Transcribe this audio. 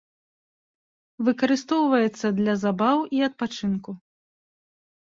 Выкарыстоўваецца для забаў і адпачынку.